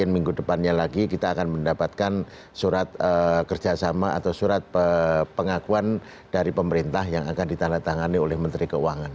minggu depannya lagi kita akan mendapatkan surat kerjasama atau surat pengakuan dari pemerintah yang akan ditandatangani oleh menteri keuangan